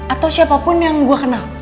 atau siapapun yang gue kenal